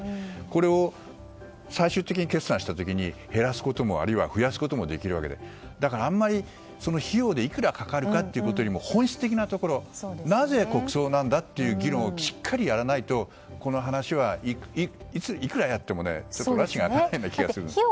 これを最終的に決算した時に減らすことも増やすこともできるわけでだからあまり費用でいくらかかるかということより本質的なところなぜ国葬なんだという議論をしっかりやらないとこの話はいくらやってもらちが明かない気がします。